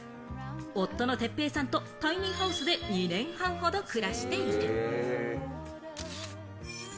夫の哲平さんとタイニーハウスで２年半ほど暮らしている。